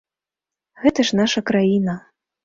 Гэта ж наша краіна.